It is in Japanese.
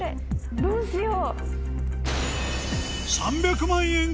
どうしよう！